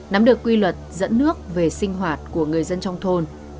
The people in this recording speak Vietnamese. nắm được quy luật dẫn nước về sinh hoạt của người dân trong thôn